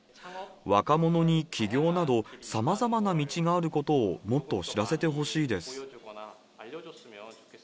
若者に起業など、さまざまな道があることをもっと知らせてほしいです。